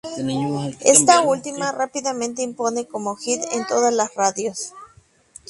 Esta última rápidamente impone como hit en todas las radios.